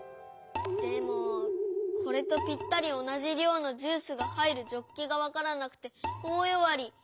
でもこれとぴったりおなじりょうのジュースが入るジョッキがわからなくておおよわり。